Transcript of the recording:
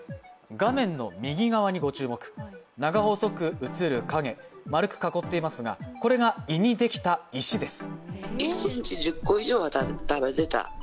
画面の右側にご注目、長細く移る影、丸く囲っていますが、これが胃にできた石です。